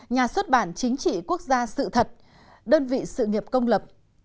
nhà xuất bản chính trị quốc gia sự thật đơn vị sự nghiệp công lập